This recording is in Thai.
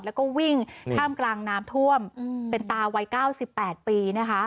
แล้วก็วิ่งข้ามกลางน้ำท่วมเป็นตาวัยเก้าสิบแปดปีนะคะ